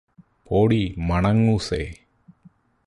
പോടീ മണങ്ങൂസേ